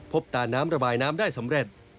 ตาน้ำระบายน้ำได้สำเร็จ